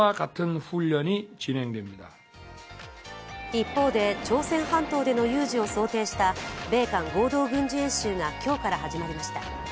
一方で、朝鮮半島での有事を想定した米韓合同軍事演習が今日から始まりました。